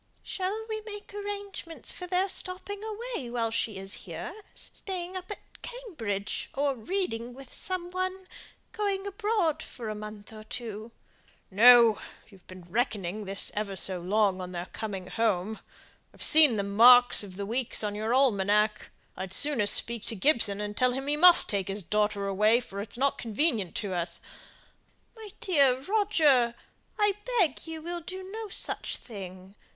"Shall we make arrangements for their stopping away while she is here; staying up at Cambridge, or reading with some one? going abroad for a month or two?" "No; you've been reckoning this ever so long on their coming home. I've seen the marks of the weeks on your almanack. I'd sooner speak to Gibson, and tell him he must take his daughter away, for it's not convenient to us " "My dear Roger! I beg you will do no such thing.